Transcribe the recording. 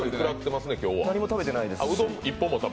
何も食べていないですし。